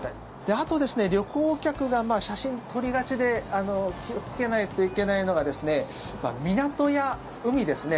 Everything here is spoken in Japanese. あと、旅行客が写真撮りがちで気をつけないといけないのが港や海ですね。